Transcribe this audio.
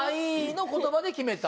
の言葉で決めた？